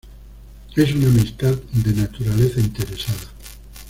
Es una amistad de naturaleza interesada.